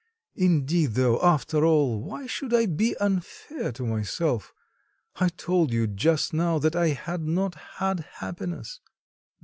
Indeed though, after all, why should I be unfair to myself? I told you just now that I had not had happiness.